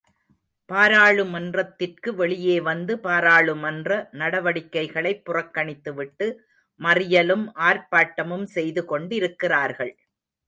பாராளுமன்றத்திற்கு வெளியே வந்து பாராளுமன்ற நடவடிக்கைகளைப் புறக்கணித்துவிட்டு மறியலும் ஆர்ப்பாட்டமும் செய்து கொண்டிருக்கிறார்கள்.